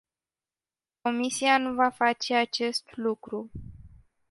Comisia nu va face acest lucru.